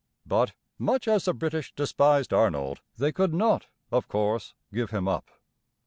But, much as the British despised Arnold, they could not, of course, give him up.